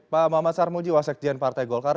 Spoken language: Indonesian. pak muhammad sarmuji wasekjen partai golkar